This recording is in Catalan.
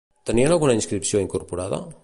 Tenien alguna inscripció incorporada?